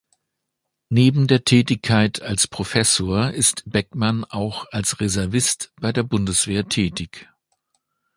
Neben der Tätigkeit als Professor ist Beckmann auch als Reservist bei der Bundeswehr tätig.